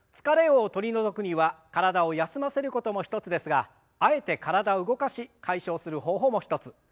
疲れを取り除くには体を休ませることも一つですがあえて体を動かし解消する方法も一つ。